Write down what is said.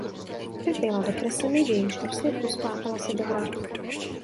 Trpěla depresemi v jejichž důsledku spáchala sebevraždu.